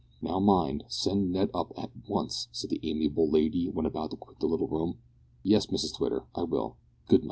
"Now, mind, send Ned up at once," said the amiable lady when about to quit the little room. "Yes, Mrs Twitter, I will; good night."